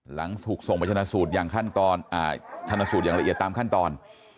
หลังถูกส่งไปชนสูตรอย่างละเอียดตามขั้นตอน